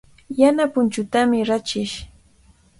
Yana punchuutami rachish.